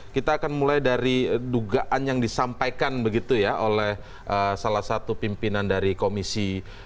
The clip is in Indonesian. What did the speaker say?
kita akan mulai dari dugaan yang disampaikan begitu ya oleh salah satu pimpinan dari komisi tiga